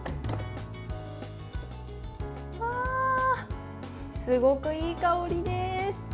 わあ、すごくいい香りです。